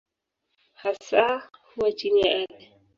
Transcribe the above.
Hasa huwa chini ya ardhi.